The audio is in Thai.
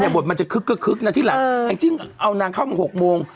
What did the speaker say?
บทมันจะคึกที่หลังจริงเอานางเข้ามา๖โมง